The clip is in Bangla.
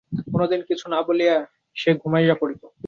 কোনোদিন কিছু না বলিয়াই সে ঘুমাইয়া পড়িত।